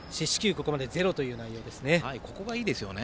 ここまでゼロという内容です。